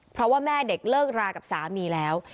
เพราะว่าแม่เด็กเลิกรากับสามีแล้ว